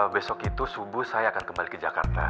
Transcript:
besok itu subuh saya akan kembali ke jakarta